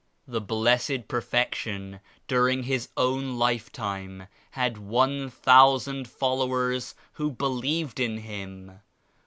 The Blessed Perfection during His own life time had one thousand followers who believed in Him.